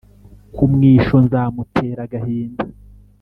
Kumwisho nzamutera agahinda